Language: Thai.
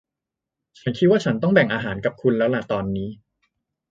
ฉันคิดว่าฉันต้องแบ่งอาหารกับคุณแล้วล่ะตอนนี้